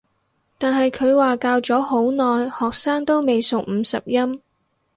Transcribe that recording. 但係佢話教咗好耐學生都未熟五十音